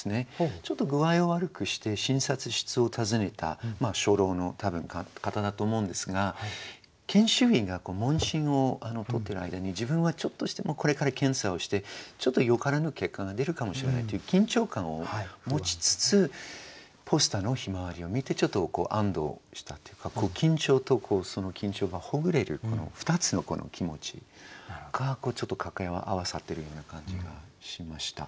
ちょっと具合を悪くして診察室を訪ねた初老の多分方だと思うんですが研修医が問診をとっている間に自分はこれから検査をしてちょっとよからぬ結果が出るかもしれないという緊張感を持ちつつポスターの向日葵を見てちょっと安堵したというか緊張とその緊張がほぐれる２つのこの気持ちがちょっと掛け合わさってるような感じがしました。